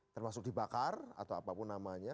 termasuk dibakar atau apapun namanya